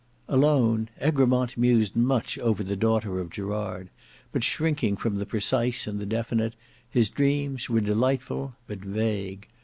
Alone, Egremont mused much over the daughter of Gerard, but shrinking from the precise and the definite, his dreams were delightful, but vague.